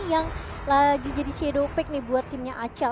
yang lagi jadi shadow pig nih buat timnya acel